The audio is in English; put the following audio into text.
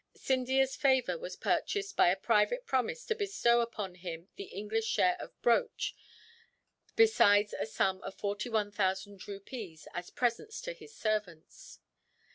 Scindia's favour was purchased by a private promise to bestow upon him the English share of Broach, besides a sum of forty one thousand rupees as presents to his servants.